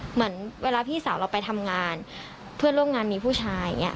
เหมือนเวลาพี่สาวเราไปทำงานเพื่อนร่วมงานมีผู้ชายอย่างนี้